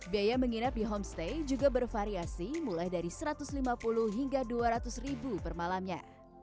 biaya menginap di homestay juga bervariasi mulai dari satu ratus lima puluh hingga rp dua ratus ribu per malamnya